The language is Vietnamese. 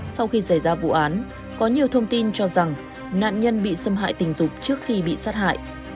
sau khi xảy ra vụ án có nhiều thông tin cho rằng nạn nhân bị xâm hại tình dục trước khi bị sát hại